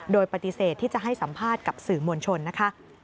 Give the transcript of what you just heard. โดยปฏิเสธที่จะให้สัมภาษณ์กับสื่อมวลชนนะคะ